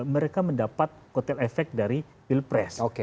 mereka mendapat kotel efek dari pilpres